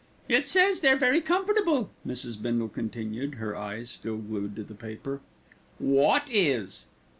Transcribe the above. "It says they're very comfortable," Mrs. Bindle continued, her eyes still glued to the paper. "Wot is?"